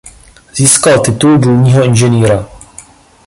Získal titul důlního inženýra.